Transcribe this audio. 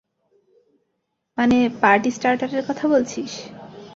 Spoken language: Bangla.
মানে, পার্টি স্টার্টারের কথা বলছিস?